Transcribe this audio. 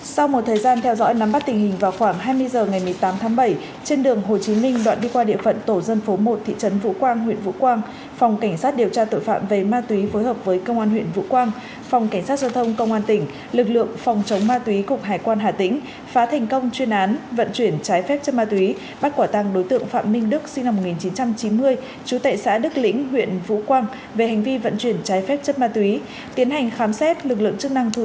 sau một thời gian theo dõi nắm bắt tình hình vào khoảng hai mươi h ngày một mươi tám tháng bảy trên đường hồ chí minh đoạn đi qua địa phận tổ dân phố một thị trấn vũ quang huyện vũ quang phòng cảnh sát điều tra tội phạm về ma túy phối hợp với công an huyện vũ quang phòng cảnh sát giao thông công an tỉnh lực lượng phòng chống ma túy cục hải quan hà tĩnh phá thành công chuyên án vận chuyển trái phép chất ma túy bắt quả tăng đối tượng phạm minh đức sinh năm một nghìn chín trăm chín mươi chú tệ xã đức lĩnh huyện vũ quang về hành vi vận chuyển trái phép ch